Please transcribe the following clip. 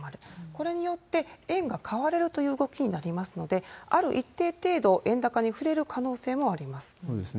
これによって、円が買われるという動きになりますので、ある一定程度円高に振れる可能性もあります。